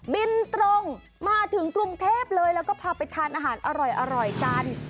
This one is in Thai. บินตรงมาถึงกรุงเทพเลยแล้วก็พาไปทานอาหารอร่อยกัน